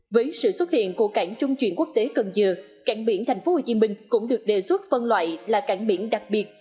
với sự xuất hiện của cảng trung chuyển quốc tế cần dừa cảng biển tp hcm cũng được đề xuất phân loại là cảng biển đặc biệt